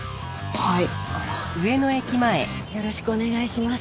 はい。